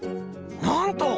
なんと！